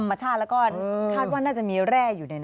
ธรรมชาติแล้วก็คาดว่าน่าจะมีแร่อยู่ในนั้น